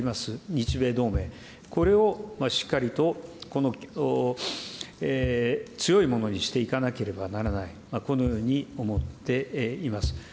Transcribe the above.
日米同盟、これをしっかりと強いものにしていかなければならない、このように思っています。